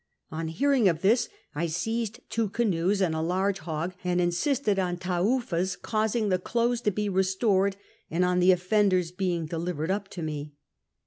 On hearing of ibis I seized two enuoes and a large hog and insisted on Taoofa's causing the clothes to be restored, and on the offetiders being delivered up to me.